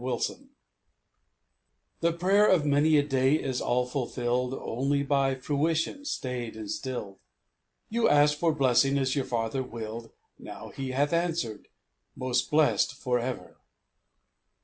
_) The prayer of many a day is all fulfilled, Only by full fruition stayed and stilled; You asked for blessing as your Father willed, Now He hath answered: 'Most blessed for ever!'